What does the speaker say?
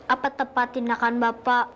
apa tepat tindakan bapak